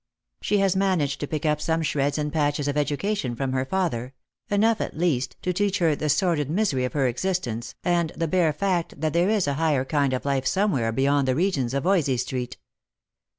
She has managed to pick up some shreds and Eatches of education from her father — enough, at least, to teach er the sordid misery of her existence, and the bare fact that there is a higher kind of life somewhere beyond the regions of Voysey street.